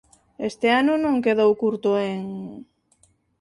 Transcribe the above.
Este ano non quedou curto en...